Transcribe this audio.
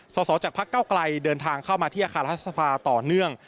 สสจากพักเก้าไกลเดินทางเข้ามาที่อาคารรัฐสภาต่อเนื่อง